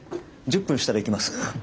１０分したら行きます。